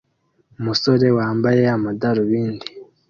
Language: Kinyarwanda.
Umusore wambaye amadarubindi